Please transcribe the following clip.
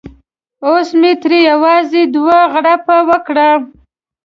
اوس مې ترې یوازې دوه غړپه وکړه.